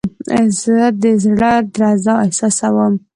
زه د زړه درزا احساسوم.